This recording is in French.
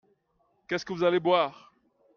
Qu'est-ce que vous allez boire ?